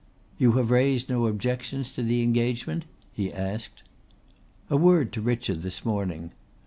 "You have raised no objections to the engagement?" he asked. "A word to Richard this morning.